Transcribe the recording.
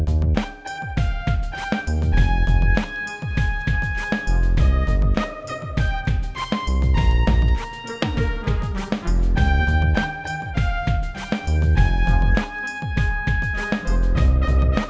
agak bakalan gua masakin jengkol lagi lu